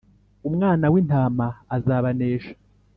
Umwana w’intama azabanesha